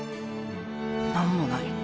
何もない。